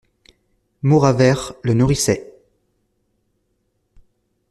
Mauravert le nourrissait.